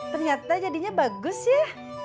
ternyata jadinya bagus ya